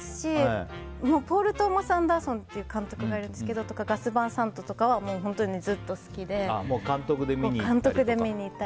ポールトン・アンダーソンっていう監督がいるんですけど「ガスバーサント」とかはずっと好きで。